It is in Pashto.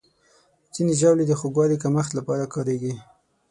ځینې ژاولې د خوږوالي کمښت لپاره کارېږي.